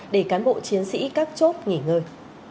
để cán bộ chiến sĩ các chốt nghỉ ngơi